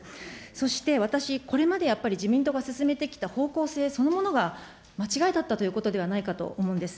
そして私、これまでやっぱり、自民党が進めてきた方向性そのものが間違いだったということではないかと思うんです。